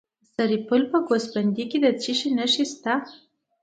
د سرپل په ګوسفندي کې د څه شي نښې دي؟